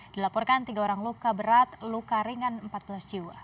dilaporkan tiga orang luka berat luka ringan empat belas jiwa